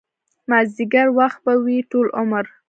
مازديګر وخت به وي ټول عمر